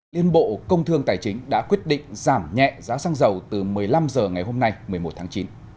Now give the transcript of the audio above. liên bộ công thương tài chính đã quyết định giảm nhẹ giá xăng dầu từ một mươi năm h ngày hôm nay một mươi một tháng chín